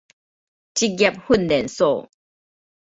職業訓練所